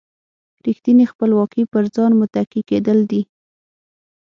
ریښتینې خپلواکي پر ځان متکي کېدل دي.